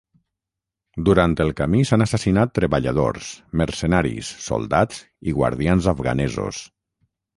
Durant el camí s"han assassinat treballadors, mercenaris, soldats i guardians afganesos.